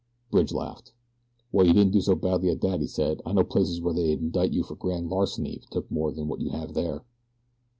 Bridge laughed. "Well, you didn't do so badly at that," he said. "I know places where they'd indict you for grand larceny if you took much more than you have here."